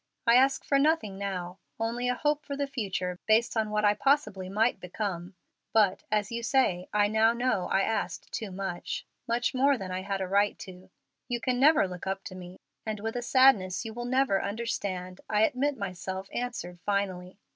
I asked for nothing now, only a hope for the future based on what I possibly might become. But, as you say, I now know I asked too much more than I had a right to. You can never look up to me, and with a sadness you will never understand, I admit myself answered finally.